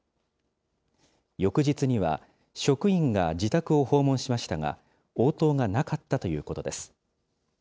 翌日には職員が自宅を訪問しましたが、応答がなかったということです。